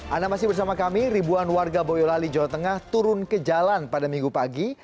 anda masih bersama kami ribuan warga boyolali jawa tengah turun ke jalan pada minggu pagi